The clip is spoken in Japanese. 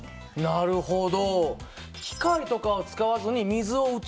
なるほど。